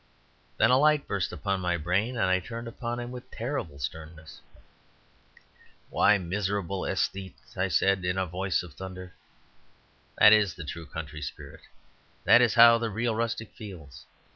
Then a light burst upon my brain, and I turned upon him with terrible sternness. "Why, miserable aesthete," I said in a voice of thunder, "that is the true country spirit! That is how the real rustic feels.